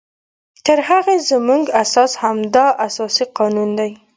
تر هغې زمونږ اساس همدا اساسي قانون دی